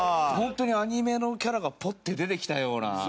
ホントにアニメのキャラがポッて出てきたような。